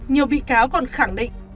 nhiều bị cáo còn khẳng định